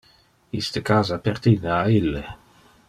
Iste casa pertine a ille.